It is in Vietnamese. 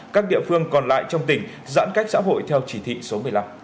các địa phương còn lại trong tỉnh giãn cách xã hội theo chỉ thị số một mươi năm